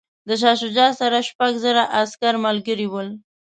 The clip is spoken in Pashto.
د شاه شجاع سره شپږ زره عسکر ملګري ول.